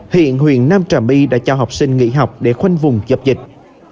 hiện huyện nam trà my đã cho học sinh nghỉ học để khoanh vùng dập dịch